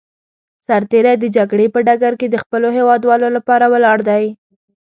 سرتېری د جګړې په ډګر کې د خپلو هېوادوالو لپاره ولاړ دی.